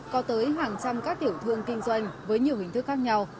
có tới hàng trăm các tiểu thương kinh doanh với nhiều hình thức khác nhau